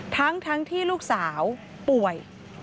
ทั้งที่ลูกสาวป่วย